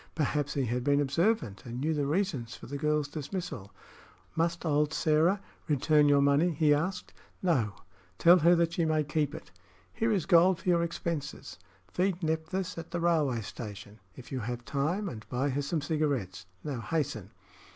Perhaps he had been observant, and knew the reason for the girl's dismissal. "Must old Sĕra return your money?" he asked. "No; tell her she may keep it. Here is gold for your expenses. Feed Nephthys at the railway station, if you have time, and buy her some cigarettes. Now hasten."